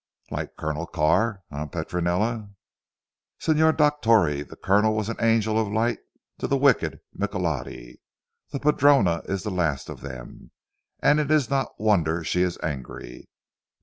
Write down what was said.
"Like Colonel Carr? Eh, Petronella?" "Signor Dottore, the Colonel was an angel of light to the wicked Michelotti. The padrona is the last of them, and it is not wonder she is angry.